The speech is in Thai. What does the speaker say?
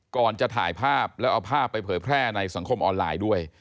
ก่อนจะถ่ายภาพแล้วเอาภาพไปเผยแพร่ในสังคมออนไลน์ด้วย